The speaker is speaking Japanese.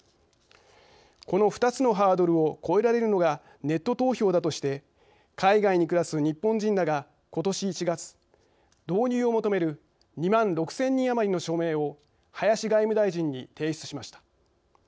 この２つのハードルを越えられるのがネット投票だとして海外に暮らす日本人らがことし１月、導入を求める２万６０００人余りの署名を林外務大臣に提出しました。